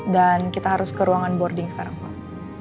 dan kita harus ke ruangan boarding sekarang pak